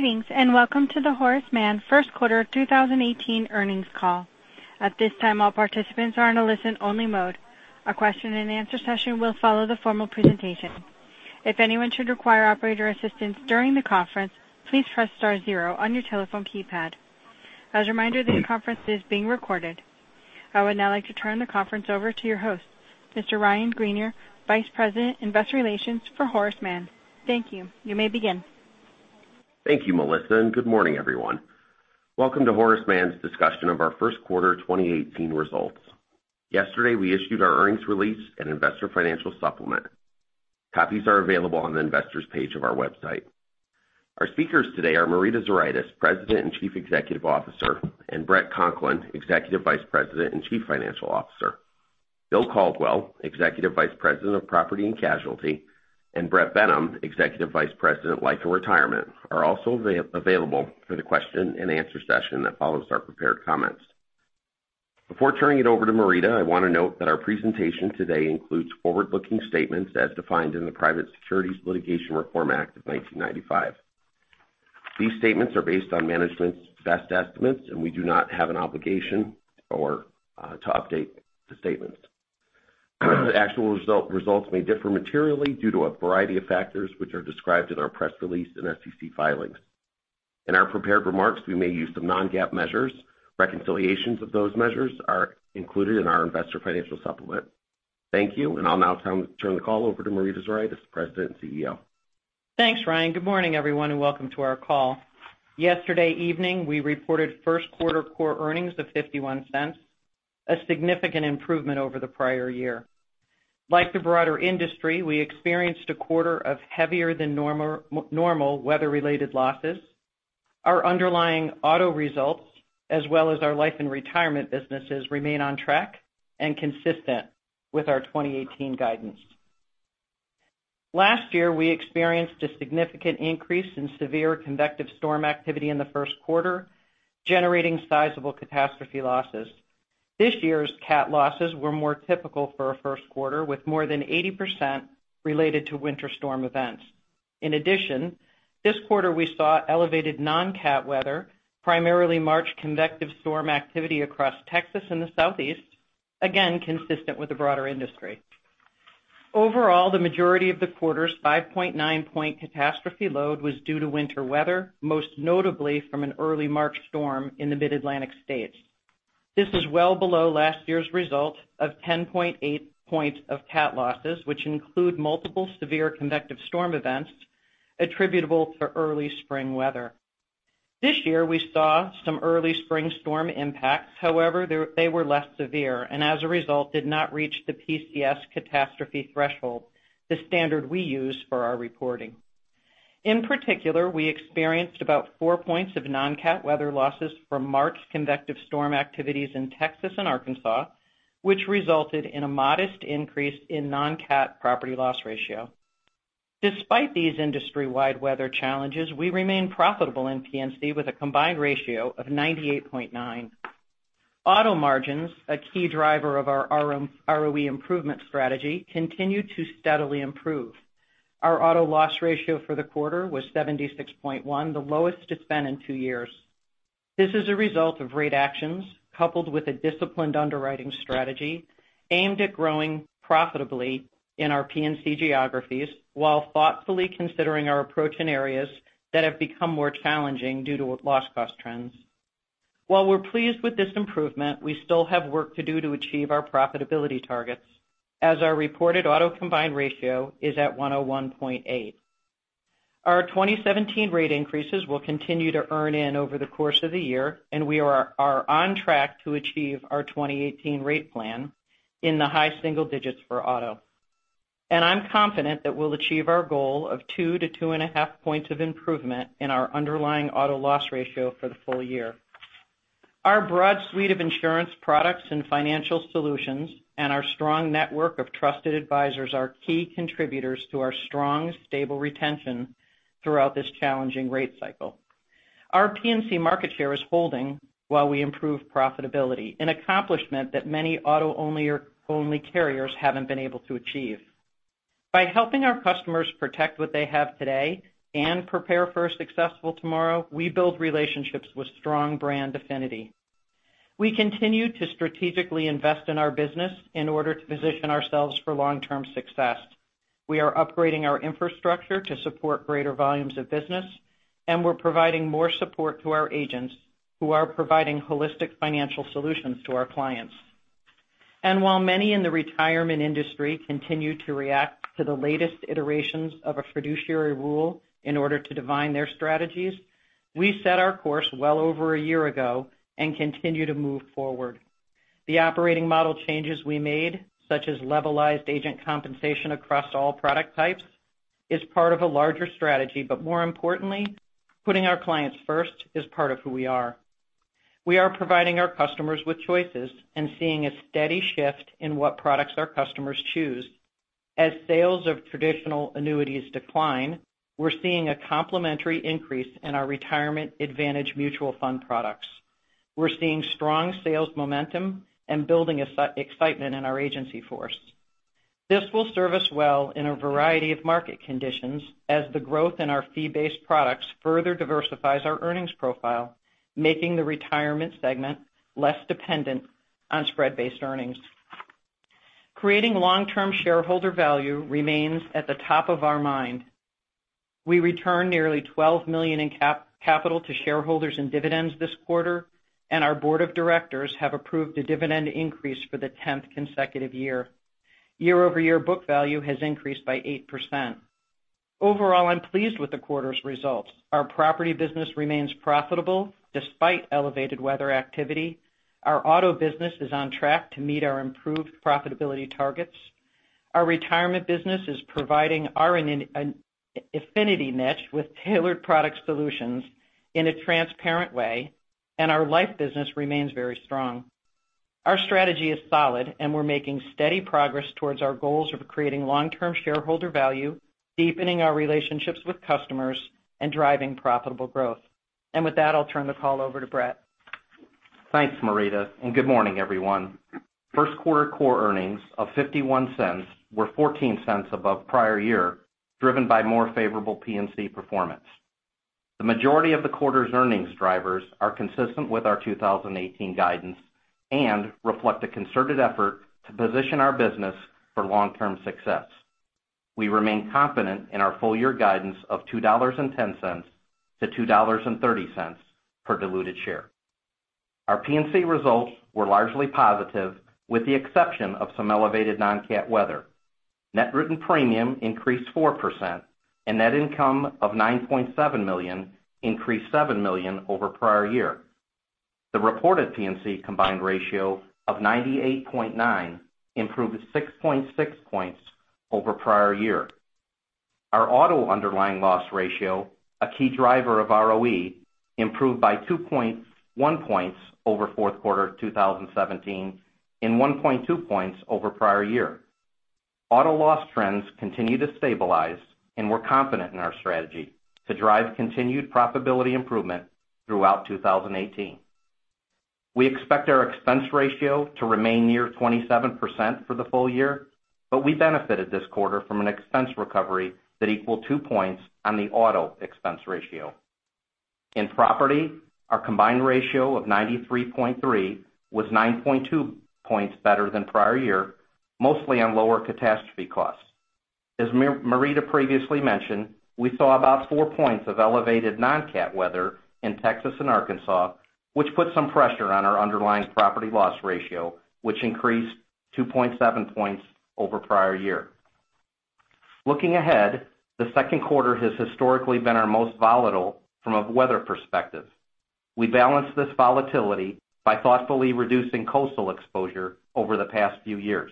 Greetings, welcome to the Horace Mann first quarter 2018 earnings call. At this time, all participants are in a listen-only mode. A question and answer session will follow the formal presentation. If anyone should require operator assistance during the conference, please press star zero on your telephone keypad. As a reminder, this conference is being recorded. I would now like to turn the conference over to your host, Mr. Ryan Greenier, Vice President, Investor Relations for Horace Mann. Thank you. You may begin. Thank you, Melissa, good morning, everyone. Welcome to Horace Mann's discussion of our first quarter 2018 results. Yesterday, we issued our earnings release and investor financial supplement. Copies are available on the investors page of our website. Our speakers today are Marita Zuraitis, President and Chief Executive Officer, Bret Conklin, Executive Vice President and Chief Financial Officer. Bill Caldwell, Executive Vice President of Property and Casualty, Bret Benham, Executive Vice President, Life and Retirement, are also available for the question and answer session that follows our prepared comments. Before turning it over to Marita, I want to note that our presentation today includes forward-looking statements as defined in the Private Securities Litigation Reform Act of 1995. These statements are based on management's best estimates, we do not have an obligation to update the statements. Actual results may differ materially due to a variety of factors, which are described in our press release and SEC filings. In our prepared remarks, we may use some non-GAAP measures. Reconciliations of those measures are included in our investor financial supplement. Thank you, I'll now turn the call over to Marita Zuraitis, President and CEO. Thanks, Ryan. Good morning, everyone, welcome to our call. Yesterday evening, we reported first-quarter core earnings of $0.51, a significant improvement over the prior year. Like the broader industry, we experienced a quarter of heavier than normal weather-related losses. Our underlying auto results, as well as our life and retirement businesses, remain on track and consistent with our 2018 guidance. Last year, we experienced a significant increase in severe convective storm activity in the first quarter, generating sizable catastrophe losses. This year's cat losses were more typical for a first quarter, with more than 80% related to winter storm events. In addition, this quarter we saw elevated non-cat weather, primarily March convective storm activity across Texas and the Southeast, again, consistent with the broader industry. Overall, the majority of the quarter's 5.9 point catastrophe load was due to winter weather, most notably from an early March storm in the Mid-Atlantic states. This is well below last year's result of 10.8 points of cat losses, which include multiple severe convective storm events attributable to early spring weather. This year, we saw some early spring storm impacts. However, they were less severe, and as a result, did not reach the PCS catastrophe threshold, the standard we use for our reporting. In particular, we experienced about four points of non-cat weather losses from March convective storm activities in Texas and Arkansas, which resulted in a modest increase in non-cat property loss ratio. Despite these industry-wide weather challenges, we remain profitable in P&C with a combined ratio of 98.9. Auto margins, a key driver of our ROE improvement strategy, continue to steadily improve. Our auto loss ratio for the quarter was 76.1, the lowest it's been in two years. This is a result of rate actions coupled with a disciplined underwriting strategy aimed at growing profitably in our P&C geographies while thoughtfully considering our approach in areas that have become more challenging due to loss cost trends. While we're pleased with this improvement, we still have work to do to achieve our profitability targets, as our reported auto combined ratio is at 101.8. Our 2017 rate increases will continue to earn in over the course of the year, and we are on track to achieve our 2018 rate plan in the high single digits for auto. I'm confident that we'll achieve our goal of two to two and a half points of improvement in our underlying auto loss ratio for the full year. Our broad suite of insurance products and financial solutions and our strong network of trusted advisors are key contributors to our strong, stable retention throughout this challenging rate cycle. Our P&C market share is holding while we improve profitability, an accomplishment that many auto-only carriers haven't been able to achieve. By helping our customers protect what they have today and prepare for a successful tomorrow, we build relationships with strong brand affinity. We continue to strategically invest in our business in order to position ourselves for long-term success. We are upgrading our infrastructure to support greater volumes of business, and we're providing more support to our agents who are providing holistic financial solutions to our clients. While many in the retirement industry continue to react to the latest iterations of a fiduciary rule in order to define their strategies, we set our course well over a year ago and continue to move forward. The operating model changes we made, such as levelized agent compensation across all product types, is part of a larger strategy, but more importantly, putting our clients first is part of who we are. We are providing our customers with choices and seeing a steady shift in what products our customers choose. As sales of traditional annuities decline, we're seeing a complementary increase in our Retirement Advantage mutual fund products. We're seeing strong sales momentum and building excitement in our agency force. This will serve us well in a variety of market conditions as the growth in our fee-based products further diversifies our earnings profile, making the Retirement segment less dependent on spread-based earnings. Creating long-term shareholder value remains at the top of our mind. We returned nearly $12 million in capital to shareholders and dividends this quarter, and our board of directors have approved a dividend increase for the 10th consecutive year. Year-over-year book value has increased by 8%. Overall, I'm pleased with the quarter's results. Our Property business remains profitable despite elevated weather activity. Our Auto business is on track to meet our improved profitability targets. Our Retirement business is providing our affinity niche with tailored product solutions in a transparent way, and our Life business remains very strong. Our strategy is solid, we're making steady progress towards our goals of creating long-term shareholder value, deepening our relationships with customers, and driving profitable growth. With that, I'll turn the call over to Bret. Thanks, Marita, and good morning, everyone. First quarter core earnings of $0.51 were $0.14 above prior year, driven by more favorable P&C performance. The majority of the quarter's earnings drivers are consistent with our 2018 guidance and reflect a concerted effort to position our business for long-term success. We remain confident in our full-year guidance of $2.10 to $2.30 per diluted share. Our P&C results were largely positive, with the exception of some elevated non-cat weather. Net written premium increased 4%, and net income of $9.7 million increased $7 million over prior year. The reported P&C combined ratio of 98.9 improved 6.6 points over prior year. Our Auto underlying loss ratio, a key driver of ROE, improved by 2.1 points over fourth quarter 2017 and 1.2 points over prior year. Auto loss trends continue to stabilize, we're confident in our strategy to drive continued profitability improvement throughout 2018. We expect our expense ratio to remain near 27% for the full year, but we benefited this quarter from an expense recovery that equaled two points on the Auto expense ratio. In Property, our combined ratio of 93.3 was 9.2 points better than prior year, mostly on lower catastrophe costs. As Marita previously mentioned, we saw about four points of elevated non-cat weather in Texas and Arkansas, which put some pressure on our underlying Property loss ratio, which increased 2.7 points over prior year. Looking ahead, the second quarter has historically been our most volatile from a weather perspective. We balanced this volatility by thoughtfully reducing coastal exposure over the past few years.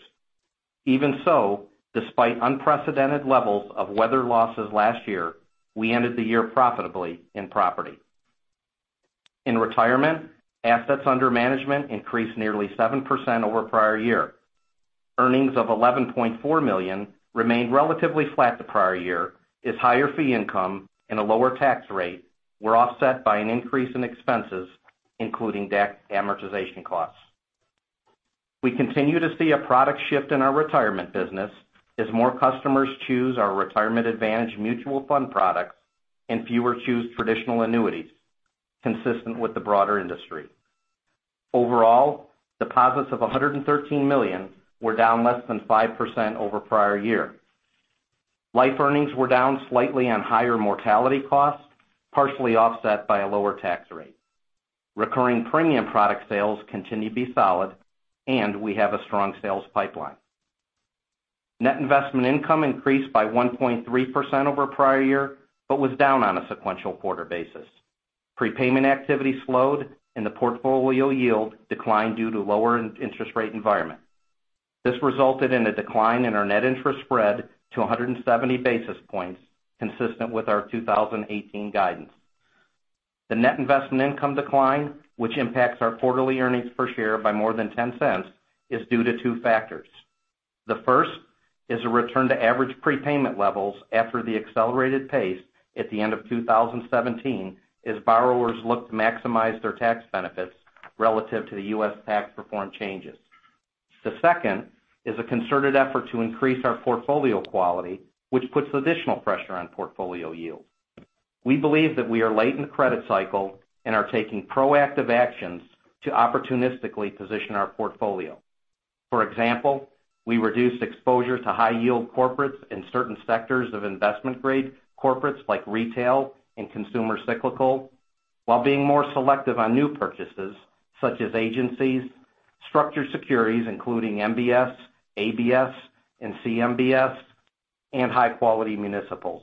Even so, despite unprecedented levels of weather losses last year, we ended the year profitably in Property. In retirement, assets under management increased nearly 7% over prior year. Earnings of $11.4 million remained relatively flat to prior year as higher fee income and a lower tax rate were offset by an increase in expenses, including debt amortization costs. We continue to see a product shift in our retirement business as more customers choose our Retirement Advantage mutual fund products and fewer choose traditional annuities, consistent with the broader industry. Overall, deposits of $113 million were down less than 5% over prior year. Life earnings were down slightly on higher mortality costs, partially offset by a lower tax rate. Recurring premium product sales continue to be solid, and we have a strong sales pipeline. Net investment income increased by 1.3% over prior year but was down on a sequential quarter basis. Prepayment activity slowed, and the portfolio yield declined due to lower interest rate environment. This resulted in a decline in our net interest spread to 170 basis points, consistent with our 2018 guidance. The net investment income decline, which impacts our quarterly earnings per share by more than $0.10, is due to two factors. The first is a return to average prepayment levels after the accelerated pace at the end of 2017 as borrowers look to maximize their tax benefits relative to the U.S. tax reform changes. The second is a concerted effort to increase our portfolio quality, which puts additional pressure on portfolio yields. We believe that we are late in the credit cycle and are taking proactive actions to opportunistically position our portfolio. For example, we reduced exposure to high-yield corporates in certain sectors of investment-grade corporates like retail and consumer cyclical, while being more selective on new purchases such as agencies, structured securities including MBS, ABS, and CMBS, and high-quality municipals.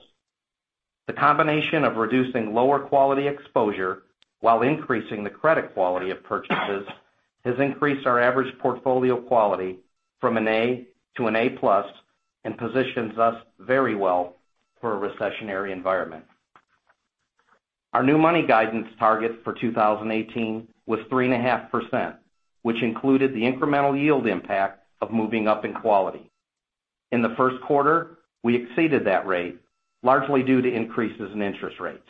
The combination of reducing lower quality exposure while increasing the credit quality of purchases has increased our average portfolio quality from an A to an A+ and positions us very well for a recessionary environment. Our new money guidance target for 2018 was 3.5%, which included the incremental yield impact of moving up in quality. In the first quarter, we exceeded that rate, largely due to increases in interest rates.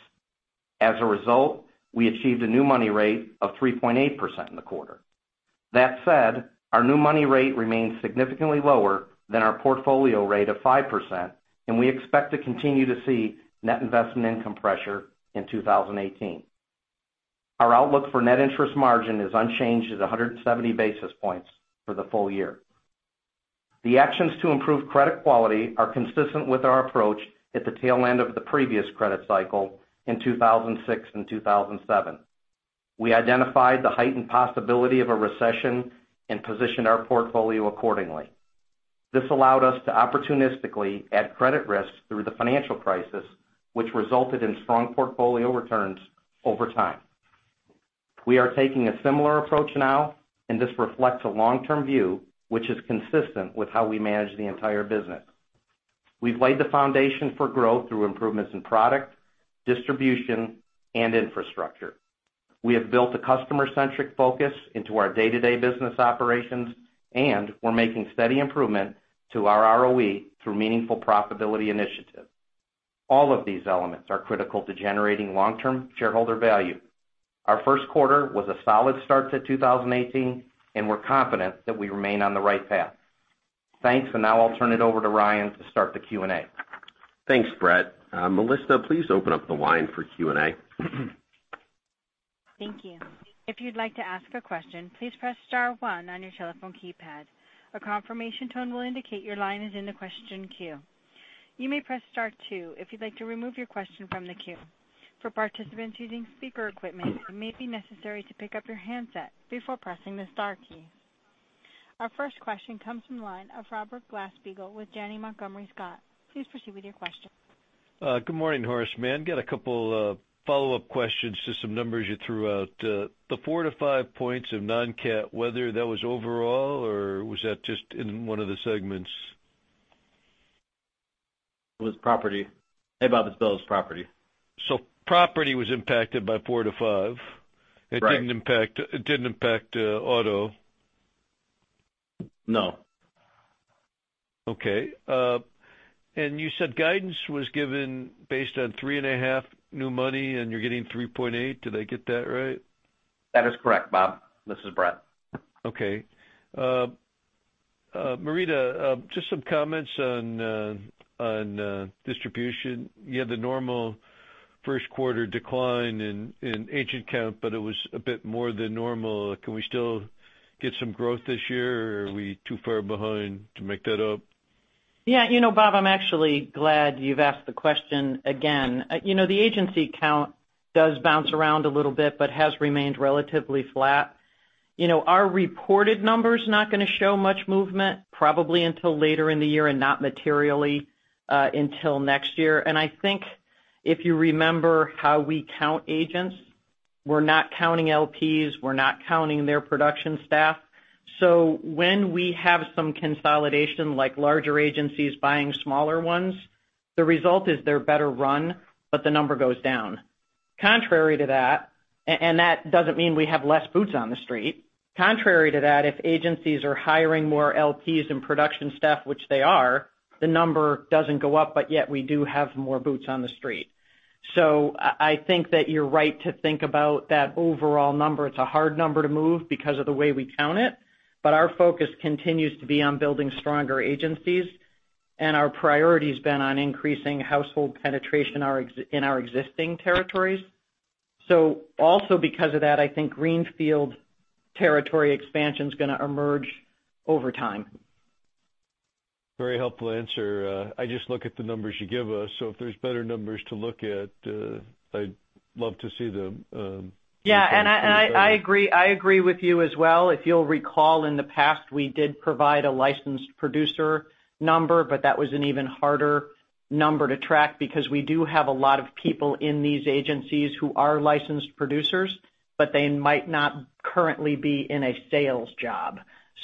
As a result, we achieved a new money rate of 3.8% in the quarter. That said, our new money rate remains significantly lower than our portfolio rate of 5%, and we expect to continue to see net investment income pressure in 2018. Our outlook for net interest margin is unchanged at 170 basis points for the full year. The actions to improve credit quality are consistent with our approach at the tail end of the previous credit cycle in 2006 and 2007. We identified the heightened possibility of a recession and positioned our portfolio accordingly. This allowed us to opportunistically add credit risk through the financial crisis, which resulted in strong portfolio returns over time. We are taking a similar approach now, and this reflects a long-term view, which is consistent with how we manage the entire business. We've laid the foundation for growth through improvements in product, distribution, and infrastructure. We have built a customer-centric focus into our day-to-day business operations, and we're making steady improvement to our ROE through meaningful profitability initiatives. All of these elements are critical to generating long-term shareholder value. Our first quarter was a solid start to 2018, and we're confident that we remain on the right path. Thanks. Now I'll turn it over to Ryan to start the Q&A. Thanks, Bret. Melissa, please open up the line for Q&A. Thank you. If you'd like to ask a question, please press *1 on your telephone keypad. A confirmation tone will indicate your line is in the question queue. You may press *2 if you'd like to remove your question from the queue. For participants using speaker equipment, it may be necessary to pick up your handset before pressing the star key. Our first question comes from the line of Robert Glasspiegel with Janney Montgomery Scott. Please proceed with your question. Good morning, Horace Mann. Got a couple of follow-up questions to some numbers you threw out. The four to five points of non-CAT, whether that was overall or was that just in one of the segments? It was property. Hey, Bob. It's Bill. It's property. Property was impacted by four to five. Right. It didn't impact auto. No. Okay. You said guidance was given based on three and a half new money, and you're getting 3.8. Did I get that right? That is correct, Bob. This is Bret. Okay. Marita, just some comments on distribution. You had the normal first quarter decline in agent count. It was a bit more than normal. Are we too far behind to make that up? Yeah, Bob, I'm actually glad you've asked the question again. The agency count does bounce around a little bit but has remained relatively flat. Our reported number's not going to show much movement probably until later in the year and not materially until next year. I think if you remember how we count agents, we're not counting LPs. We're not counting their production staff. When we have some consolidation, like larger agencies buying smaller ones, the result is they're better run, but the number goes down. Contrary to that, and that doesn't mean we have less boots on the street. Contrary to that, if agencies are hiring more LPs and production staff, which they are, the number doesn't go up, but yet we do have more boots on the street. I think that you're right to think about that overall number. It's a hard number to move because of the way we count it. Our focus continues to be on building stronger agencies, and our priority has been on increasing household penetration in our existing territories. Also because of that, I think greenfield territory expansion is going to emerge over time. Very helpful answer. I just look at the numbers you give us. If there's better numbers to look at, I'd love to see them. Yeah, I agree with you as well. If you'll recall in the past, we did provide a licensed producer number, that was an even harder number to track because we do have a lot of people in these agencies who are licensed producers, but they might not currently be in a sales job.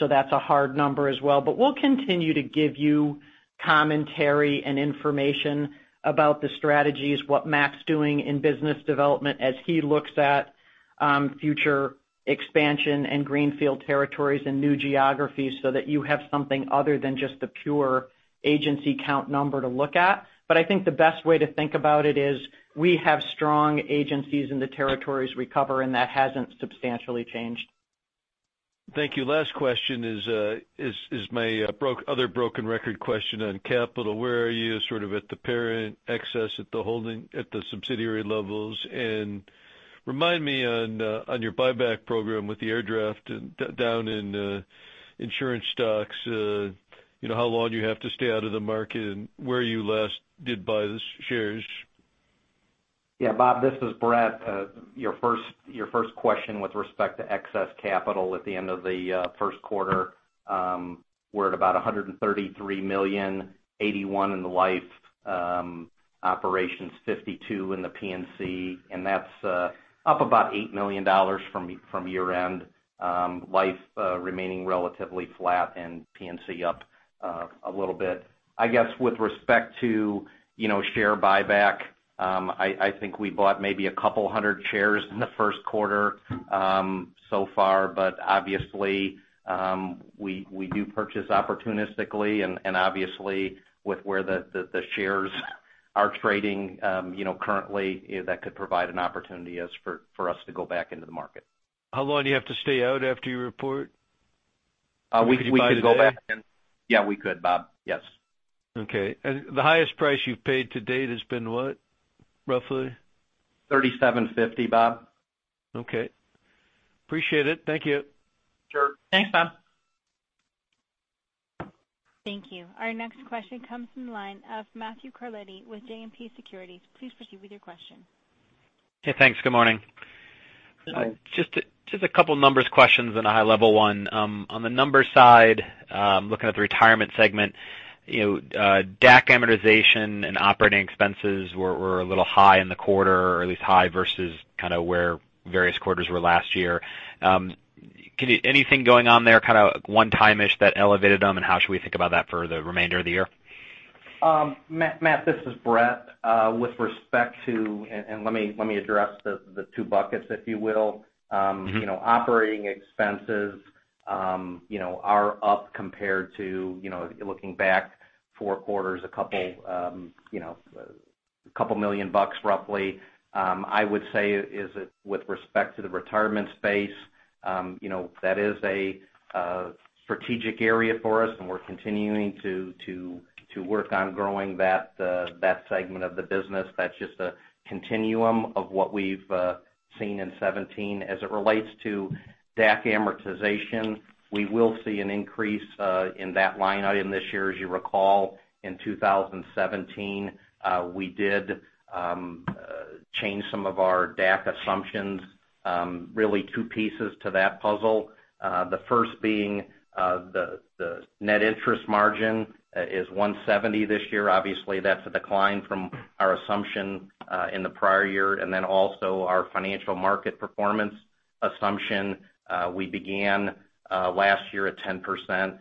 That's a hard number as well. We'll continue to give you commentary and information about the strategies, what Matt's doing in business development as he looks at future expansion in greenfield territories and new geographies so that you have something other than just the pure agency count number to look at. I think the best way to think about it is we have strong agencies in the territories we cover, and that hasn't substantially changed. Thank you. Last question is my other broken record question on capital. Where are you at the parent excess at the subsidiary levels? Remind me on your buyback program with the haircut down in insurance stocks, how long you have to stay out of the market and where you last did buy the shares. Yeah, Bob. This is Bret. Your first question with respect to excess capital at the end of the first quarter, we're at about $133 million, $81 million in the life operations, $52 million in the P&C, and that's up about $8 million from year-end. Life remaining relatively flat and P&C up a little bit. I guess with respect to share buyback, I think we bought maybe a couple hundred shares in the first quarter so far. Obviously, we do purchase opportunistically and obviously with where the shares are trading currently, that could provide an opportunity for us to go back into the market. How long do you have to stay out after you report? We could go back. If you buy today? Yeah, we could, Bob. Yes. Okay. The highest price you've paid to date has been what, roughly? $37.50, Bob. Okay. Appreciate it. Thank you. Sure. Thanks, Bob. Thank you. Our next question comes from the line of Matthew Carletti with JMP Securities. Please proceed with your question. Hey, thanks. Good morning. Hello. Just a couple numbers questions and a high-level one. On the numbers side, looking at the Retirement Segment, DAC amortization and operating expenses were a little high in the quarter, or at least high versus where various quarters were last year. Anything going on there, one-time-ish that elevated them? How should we think about that for the remainder of the year? Matt, this is Bret. Let me address the two buckets, if you will. Operating expenses are up compared to looking back four quarters, a couple million dollars roughly. With respect to the Retirement space, that is a strategic area for us. We're continuing to work on growing that segment of the business. That's just a continuum of what we've seen in 2017. As it relates to DAC amortization, we will see an increase in that line item this year. As you recall, in 2017, we did change some of our DAC assumptions. Two pieces to that puzzle. The first being the net interest margin is 170 this year. Obviously, that's a decline from our assumption in the prior year. Also our financial market performance assumption. We began last year at 10%,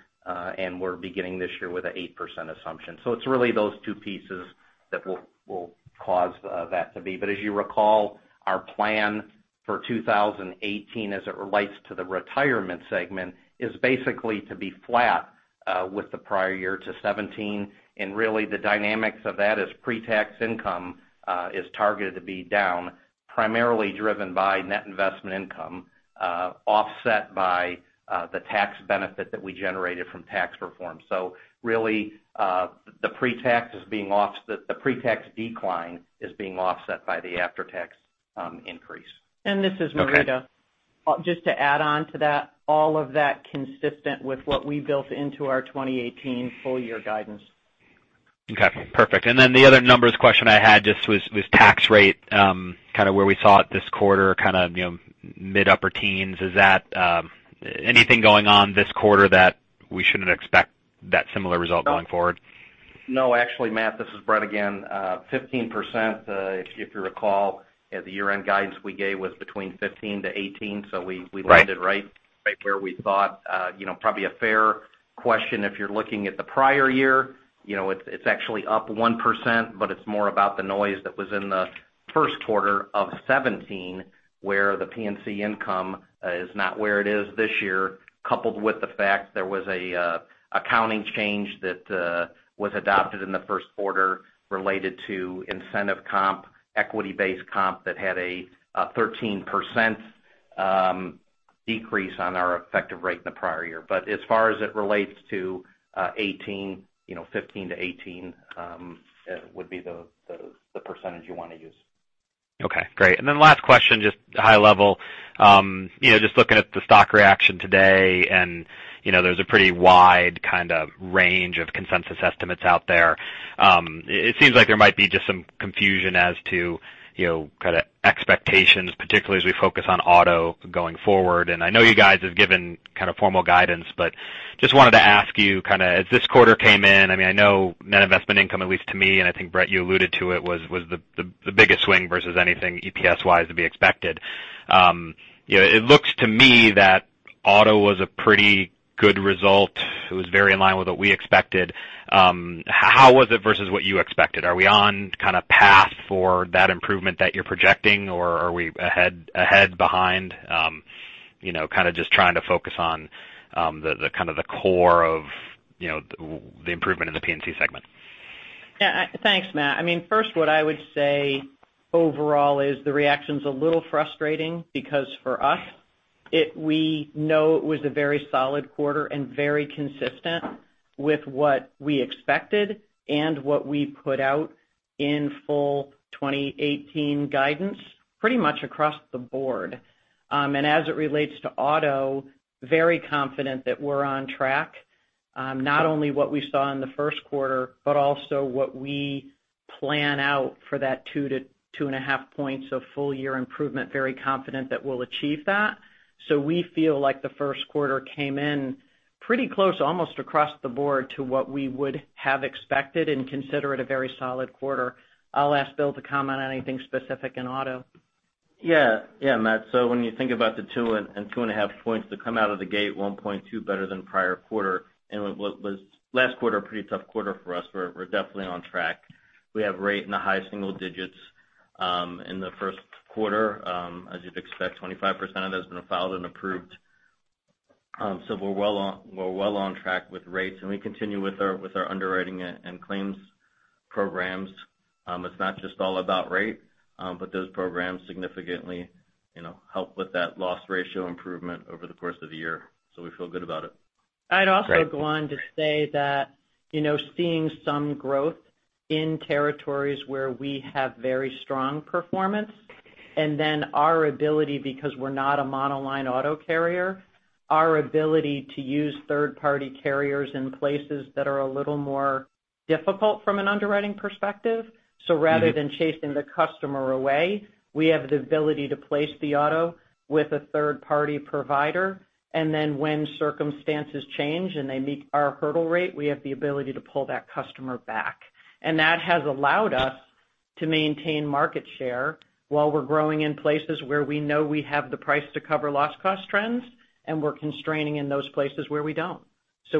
and we're beginning this year with an 8% assumption. It's really those two pieces that will cause that to be. As you recall, our plan for 2018 as it relates to the Retirement segment is basically to be flat with the prior year to 2017. The dynamics of that is pre-tax income is targeted to be down, primarily driven by net investment income, offset by the tax benefit that we generated from tax reform. The pre-tax decline is being offset by the after-tax increase. This is Marita. Okay. Just to add on to that, all of that consistent with what we built into our 2018 full-year guidance. Okay, perfect. The other numbers question I had just was tax rate, where we saw it this quarter, mid-upper teens. Is anything going on this quarter that we shouldn't expect that similar result going forward? No, actually, Matt, this is Bret again. 15%, if you recall, the year-end guidance we gave was between 15%-18%. Right landed right where we thought. Probably a fair question if you're looking at the prior year. It's actually up 1%, but it's more about the noise that was in the first quarter of 2017, where the P&C income is not where it is this year, coupled with the fact there was an accounting change that was adopted in the first quarter related to incentive comp, equity-based comp that had a 13% decrease on our effective rate in the prior year. As far as it relates to 2018, 15%-18% would be the percentage you want to use. Okay, great. Last question, just high level. Looking at the stock reaction today, there's a pretty wide range of consensus estimates out there. It seems like there might be just some confusion as to expectations, particularly as we focus on auto going forward. I know you guys have given formal guidance, but just wanted to ask you, as this quarter came in, I know net investment income, at least to me, and I think, Bret, you alluded to it, was the biggest swing versus anything EPS-wise to be expected. It looks to me that auto was a pretty good result. It was very in line with what we expected. How was it versus what you expected? Are we on path for that improvement that you're projecting, or are we ahead, behind? Just trying to focus on the core of the improvement in the P&C segment. Yeah. Thanks, Matt. First, what I would say overall is the reaction's a little frustrating because for us, we know it was a very solid quarter and very consistent with what we expected and what we put out in full 2018 guidance, pretty much across the board. As it relates to auto, very confident that we're on track. Not only what we saw in the first quarter, but also what we plan out for that two to two and a half points of full-year improvement, very confident that we'll achieve that. We feel like the first quarter came in pretty close, almost across the board to what we would have expected and consider it a very solid quarter. I'll ask Bill to comment on anything specific in auto. Yeah, Matt. When you think about the two and two and a half points that come out of the gate, 1.2 better than prior quarter, and what was last quarter, a pretty tough quarter for us. We're definitely on track. We have rate in the high single digits in the first quarter. As you'd expect, 25% of that has been filed and approved We're well on track with rates, and we continue with our underwriting and claims programs. It's not just all about rate, but those programs significantly help with that loss ratio improvement over the course of the year. We feel good about it. I'd also go on to say that seeing some growth in territories where we have very strong performance, then our ability, because we're not a monoline auto carrier, our ability to use third-party carriers in places that are a little more difficult from an underwriting perspective. Rather than chasing the customer away, we have the ability to place the auto with a third-party provider, then when circumstances change, and they meet our hurdle rate, we have the ability to pull that customer back. That has allowed us to maintain market share while we're growing in places where we know we have the price to cover loss cost trends, and we're constraining in those places where we don't.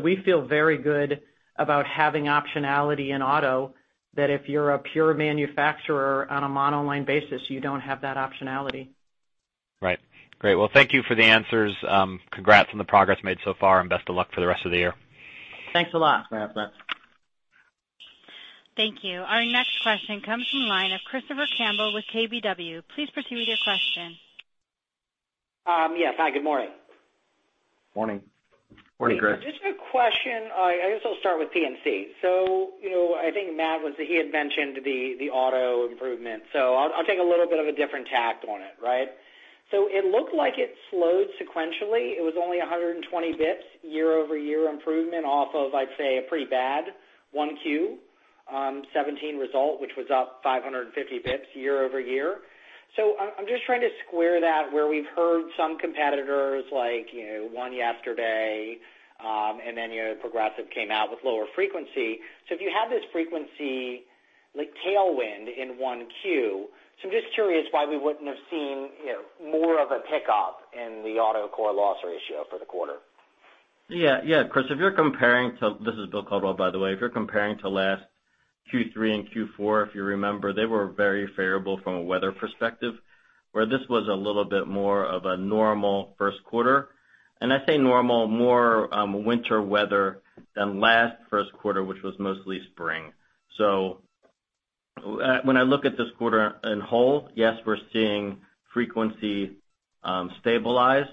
We feel very good about having optionality in auto, that if you're a pure manufacturer on a monoline basis, you don't have that optionality. Right. Great. Well, thank you for the answers. Congrats on the progress made so far, and best of luck for the rest of the year. Thanks a lot. You're welcome. Thank you. Our next question comes from the line of Christopher Campbell with KBW. Please proceed with your question. Yes. Hi, good morning. Morning. Morning, Chris. Just a question. I guess I'll start with P&C. I think Matt had mentioned the auto improvement. I'll take a little bit of a different tact on it. Right? It looked like it slowed sequentially. It was only 120 basis points year-over-year improvement off of, I'd say, a pretty bad 1Q 2017 result, which was up 550 basis points year-over-year. I'm just trying to square that where we've heard some competitors like one yesterday, and then Progressive came out with lower frequency. If you had this frequency tailwind in 1Q, I'm just curious why we wouldn't have seen more of a pickup in the auto core loss ratio for the quarter. Yeah. Chris, this is Bill Caldwell, by the way. If you're comparing to last Q3 and Q4, if you remember, they were very favorable from a weather perspective, where this was a little bit more of a normal first quarter. I say normal, more winter weather than last first quarter, which was mostly spring. When I look at this quarter in whole, yes, we're seeing frequency stabilize.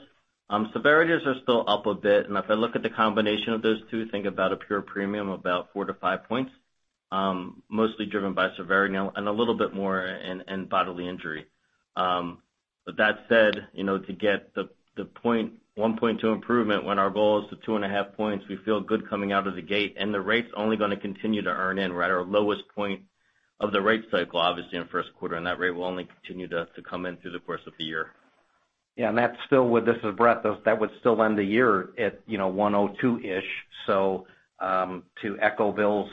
Severities are still up a bit, and if I look at the combination of those two, think about a pure premium, about four to five points, mostly driven by severity now, and a little bit more in bodily injury. That said, to get the 1.2 improvement when our goal is to two and a half points, we feel good coming out of the gate, and the rate's only going to continue to earn in. We're at our lowest point of the rate cycle, obviously, in the first quarter. That rate will only continue to come in through the course of the year. This is Bret. That would still end the year at 102-ish. To echo Bill's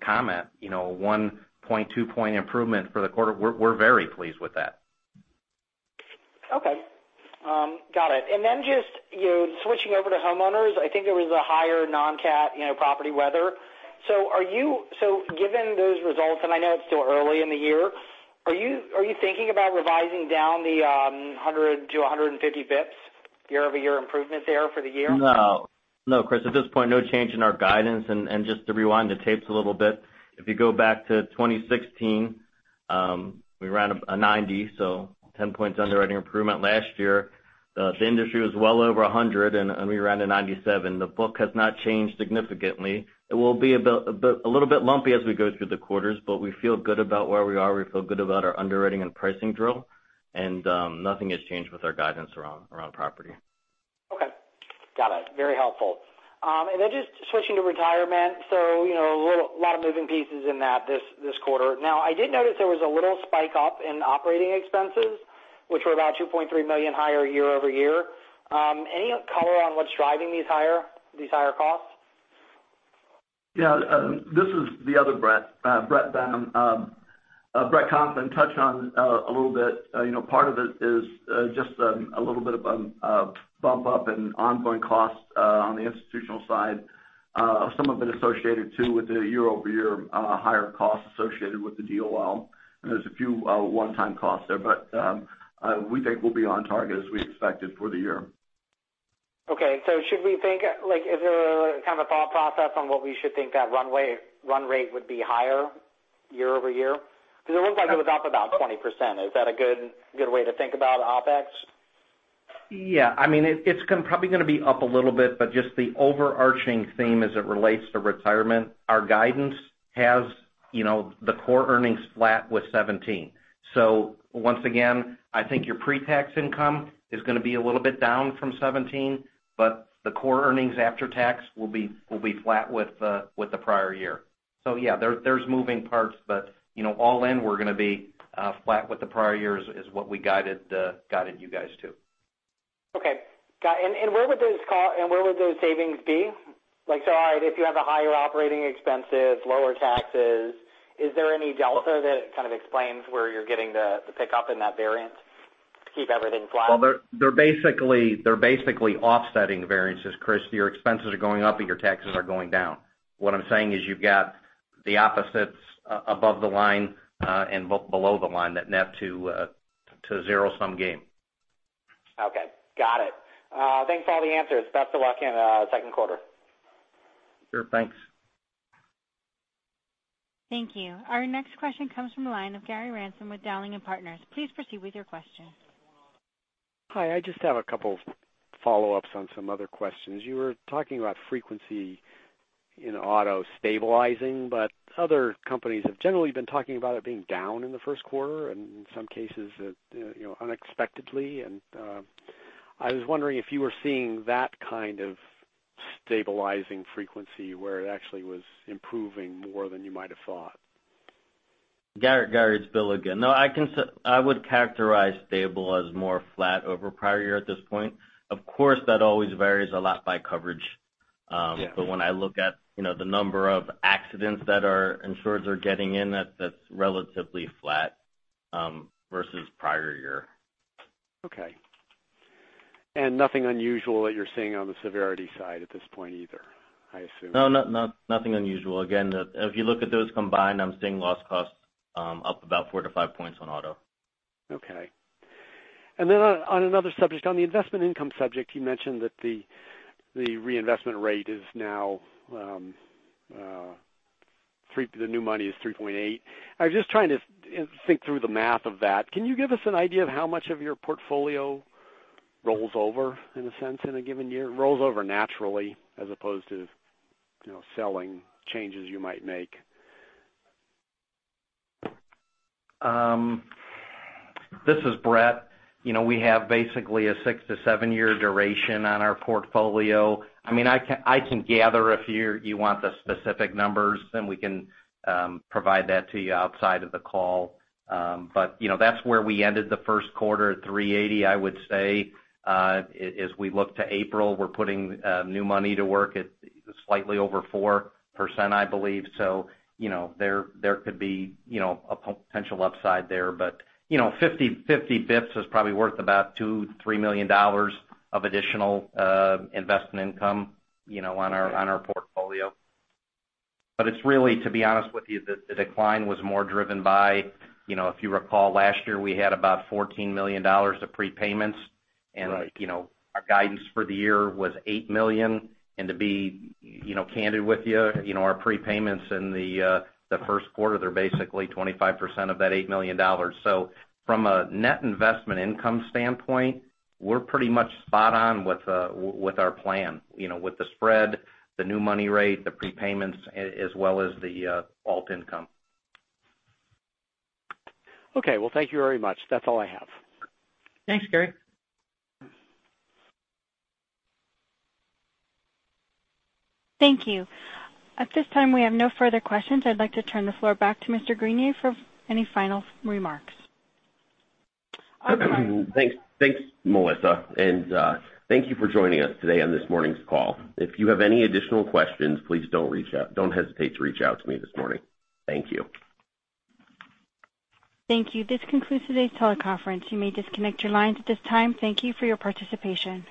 comment, 1.2-point improvement for the quarter, we're very pleased with that. Okay. Got it. Just switching over to homeowners, I think there was a higher non-cat property weather. Given those results, and I know it's still early in the year, are you thinking about revising down the 100-150 basis points year-over-year improvement there for the year? No. Chris, at this point, no change in our guidance. Just to rewind the tapes a little bit, if you go back to 2016, we ran a 90, 10 points underwriting improvement last year. The industry was well over 100. We ran a 97. The book has not changed significantly. It will be a little bit lumpy as we go through the quarters. We feel good about where we are. We feel good about our underwriting and pricing drill. Nothing has changed with our guidance around property. Okay. Got it. Very helpful. Just switching to retirement. A lot of moving pieces in that this quarter. Now, I did notice there was a little spike up in operating expenses, which were about $2.3 million higher year-over-year. Any color on what's driving these higher costs? Yeah. This is the other Bret. Bret Benham. Bret Conklin touched on a little bit. Part of it is just a little bit of a bump up in ongoing costs on the institutional side. Some of it associated too with the year-over-year higher costs associated with the DOL, and there's a few one-time costs there. We think we'll be on target as we expected for the year. Okay, is there a kind of a thought process on what we should think that run rate would be higher year-over-year? Because it looks like it was up about 20%. Is that a good way to think about OpEx? Yeah. It's probably going to be up a little bit, just the overarching theme as it relates to retirement, our guidance has the core earnings flat with 2017. Once again, I think your pre-tax income is going to be a little bit down from 2017, the core earnings after tax will be flat with the prior year. Yeah, there's moving parts, all in, we're going to be flat with the prior year is what we guided you guys to. Okay. Got it. Where would those savings be? All right, if you have a higher operating expenses, lower taxes, is there any delta that kind of explains where you're getting the pickup in that variance to keep everything flat? Well, they're basically offsetting variances, Chris. Your expenses are going up, your taxes are going down. What I'm saying is you've got the opposites above the line and below the line that net to To zero-sum game. Okay. Got it. Thanks for all the answers. Best of luck in second quarter. Sure. Thanks. Thank you. Our next question comes from the line of Gary Ransom with Dowling & Partners. Please proceed with your question. Hi. I just have a couple follow-ups on some other questions. You were talking about frequency in auto stabilizing, but other companies have generally been talking about it being down in the first quarter, and in some cases, unexpectedly. I was wondering if you were seeing that kind of stabilizing frequency where it actually was improving more than you might have thought. Gary, it's Bill again. I would characterize stable as more flat over prior year at this point. Of course, that always varies a lot by coverage. Yeah. When I look at the number of accidents that our insureds are getting in, that's relatively flat versus prior year. Okay. Nothing unusual that you're seeing on the severity side at this point either, I assume? No, nothing unusual. Again, if you look at those combined, I'm seeing loss costs up about four to five points on auto. Okay. Then on another subject, on the investment income subject, you mentioned that the reinvestment rate, the new money is 3.8. I was just trying to think through the math of that. Can you give us an idea of how much of your portfolio rolls over, in a sense, in a given year? Rolls over naturally as opposed to selling changes you might make. This is Bret. We have basically a six to seven-year duration on our portfolio. I can gather if you want the specific numbers, we can provide that to you outside of the call. That's where we ended the first quarter at 380, I would say. As we look to April, we're putting new money to work at slightly over 4%, I believe. There could be a potential upside there. 50 basis points is probably worth about $2 million to $3 million of additional investment income on our portfolio. It's really, to be honest with you, the decline was more driven by, if you recall, last year, we had about $14 million of prepayments. Right. Our guidance for the year was $8 million. To be candid with you, our prepayments in the first quarter, they're basically 25% of that $8 million. From a net investment income standpoint, we're pretty much spot on with our plan, with the spread, the new money rate, the prepayments, as well as the alt income. Okay. Well, thank you very much. That's all I have. Thanks, Gary. Thank you. At this time, we have no further questions. I'd like to turn the floor back to Mr. Greenier for any final remarks. Thanks, Melissa. Thank you for joining us today on this morning's call. If you have any additional questions, please don't hesitate to reach out to me this morning. Thank you. Thank you. This concludes today's teleconference. You may disconnect your lines at this time. Thank you for your participation.